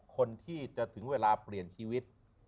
คนที่จะถึงเวลาเปลี่ยนชีวิต